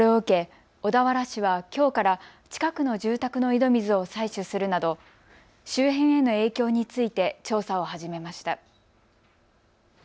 これを受け小田原市はきょうから近くの住宅の井戸水を採取するなど周辺への影響について調査を始めました。